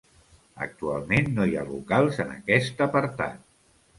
Actualment no hi ha locals en aquest apartat.